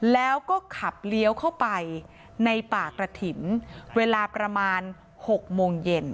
แล้วก็ขับเลี้ยวเข้าไปในป่ากระถิ่นเวลาประมาณ๖โมงเย็น